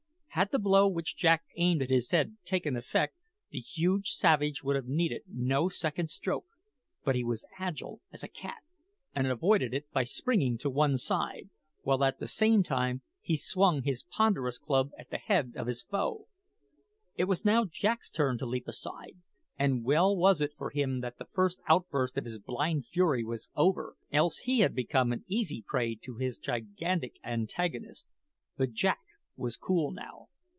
Had the blow which Jack aimed at his head taken effect, the huge savage would have needed no second stroke; but he was agile as a cat, and avoided it by springing to one side, while at the same time he swung his ponderous club at the head of his foe. It was now Jack's turn to leap aside; and well was it for him that the first outburst of his blind fury was over, else he had become an easy prey to his gigantic antagonist. But Jack was cool now.